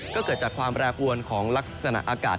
ก็เกิดจากความแปรปวนของลักษณะอากาศ